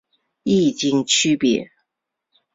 异腈区别。